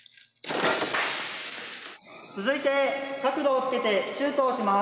続いて角度をつけてシュートをします。